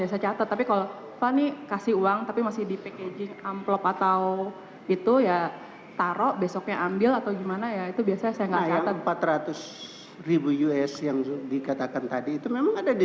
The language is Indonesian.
seperti di demokrat ini